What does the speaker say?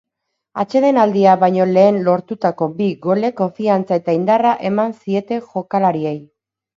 Atsedenaldia baino lehen lortutako bi golek konfiantza eta indarra eman zieten jokalariei.